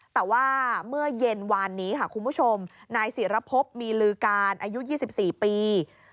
แต่ว่าเมื่อเย็นวานนี้ค่ะคุณผู้ชมนายศิรพบมีลือการอายุ๒๔ปี